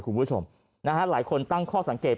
คุณผู้ชมนะฮะหลายคนตั้งข้อสังเกต